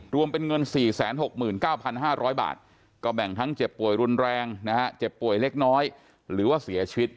รวมเป็นเงิน๔๖๙๕๐๐บาทก็แบ่งทั้งเจ็บป่วยรุนแรงนะฮะเจ็บป่วยเล็กน้อยหรือว่าเสียชีวิต